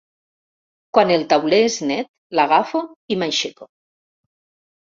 Quan el tauler és net l'agafo i m'aixeco.